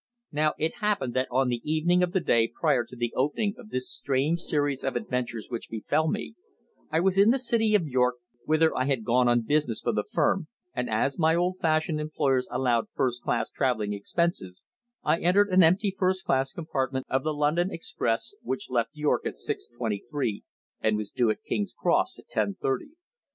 Now it happened that on the evening of the day prior to the opening of this strange series of adventures which befell me, I was in the city of York, whither I had gone on business for the firm, and as my old fashioned employers allowed first class travelling expenses, I entered an empty first class compartment of the London express which left York at six twenty three, and was due at King's Cross at ten thirty.